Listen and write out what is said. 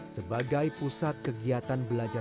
sebagai pusat kegiatan belajar